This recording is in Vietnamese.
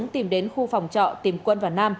tìm đến khu phòng trọ tìm quân và nam